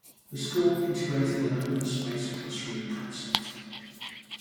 The school integrated an 'open-space' classroom concept.